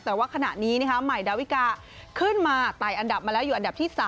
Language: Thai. แต่ว่าขณะนี้ใหม่ดาวิกาขึ้นมาไต่อันดับมาแล้วอยู่อันดับที่๓